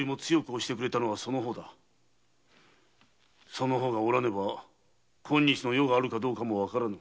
その方がおらねば今日の余があるかどうかも判らぬ。